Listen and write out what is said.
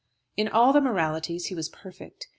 In all the moralities he was perfect.